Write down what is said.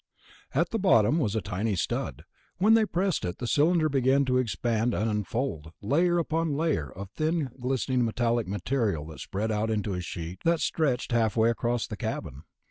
At the bottom was a tiny stud. When they pressed it, the cylinder began to expand and unfold, layer upon layer of thin glistening metallic material that spread out into a sheet that stretched halfway across the cabin.